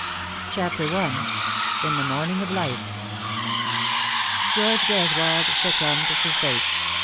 CHAPTER I. IN THE MORNINa OF LIFE. GEORGE GRESWOLD succumbed to Fate.